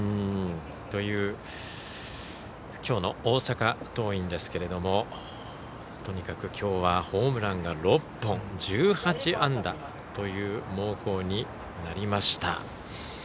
という、きょうの大阪桐蔭ですけれどもとにかくきょうはホームランが６本１８安打という猛攻になりました。